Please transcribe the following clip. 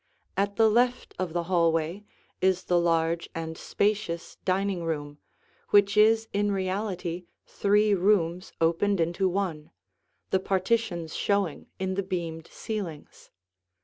At the left of the hallway is the large and spacious dining room, which is in reality three rooms opened into one, the partitions showing in the beamed ceilings.